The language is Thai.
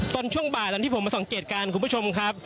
ช่วงบ่ายตอนที่ผมมาสังเกตการณ์คุณผู้ชมครับ